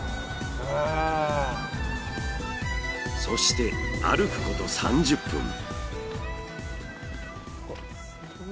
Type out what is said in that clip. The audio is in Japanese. そして歩くこと３０分。